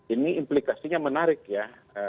ini implikasinya menarik ya